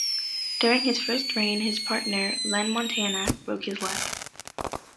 During his first reign, his partner, Len Montana broke his leg.